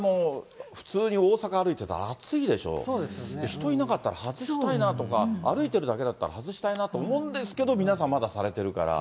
人いなかったら外したいなとか、歩いてるだけだったら外したいなと思うんですけど、皆さん、まだされてるから。